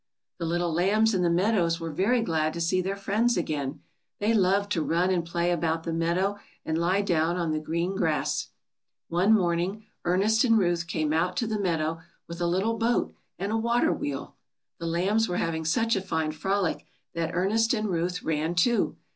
The little lambs in the meadows were very glad to see their friends again. They loved to run and play about the meadow and lie down on the green grass. One morning Ernest and Ruth came out to the meadow with a little boat and a water wheel. The lambs were having ^uch a fine frolic that Ernest and Ruth ran, too.